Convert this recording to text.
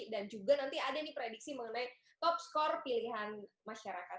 dan juga nanti ada nih prediksi mengenai top score pilihan masyarakat